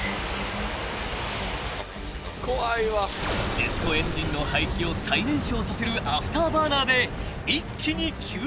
［ジェットエンジンの排気を再燃焼させるアフターバーナーで一気に急加速］